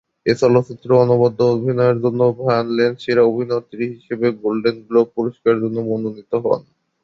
এ চলচ্চিত্রে অনবদ্য অভিনয়ের জন্য ডায়ান লেন সেরা অভিনেত্রী হিসেবে গোল্ডেন গ্লোব পুরস্কারের জন্য মনোনীত হন।